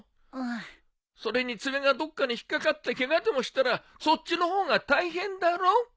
それに爪がどっかに引っ掛かってケガでもしたらそっちの方が大変だろ。